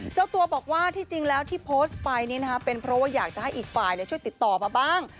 เจ้าตัวบอกว่าที่จริงแล้วที่โพสต์ไปเป็นเพราะว่าอยากจะให้อีกฝ่ายช่วยติดต่อมาบ้าง